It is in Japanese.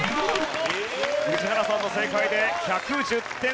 宇治原さんの正解で１１０点差。